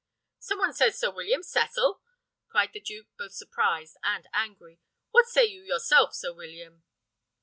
"Some one says Sir William Cecil!" cried the duke, both surprised and angry. "What say you yourself, Sir William?"